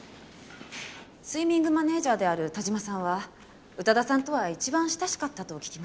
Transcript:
スイミングマネジャーである田嶋さんは宇多田さんとは一番親しかったと聞きました。